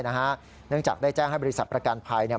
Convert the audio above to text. เนื่องจากได้แจ้งให้บริษัทประกันภัยเนี่ย